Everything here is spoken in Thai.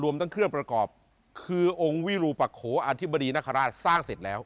ทั้งเครื่องประกอบคือองค์วิรูปะโขออธิบดีนคราชสร้างเสร็จแล้ว